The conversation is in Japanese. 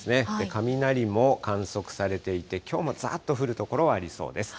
雷も観測されていて、きょうもざーっと降る所はありそうです。